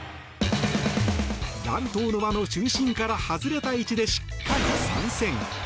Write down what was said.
乱闘の輪の中心から外れた位置でしっかり参戦。